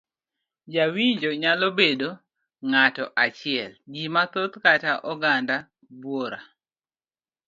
Jawinjio nyalo bedo ng'ato achiel, ji mathoth kata oganda buora.